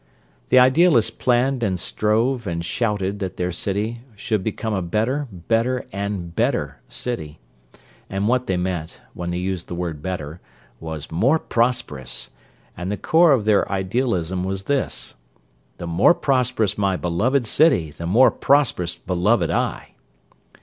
The idealists planned and strove and shouted that their city should become a better, better, and better city—and what they meant, when they used the word "better," was "more prosperous," and the core of their idealism was this: "The more prosperous my beloved city, the more prosperous beloved I!"